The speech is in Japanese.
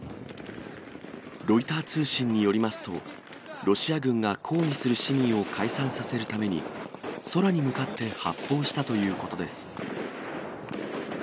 ロイター通信によりますと、ロシア軍が抗議する市民を解散させるために、空に向かって発砲したということです。